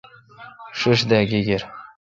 ݭݭ دا گیگیر۔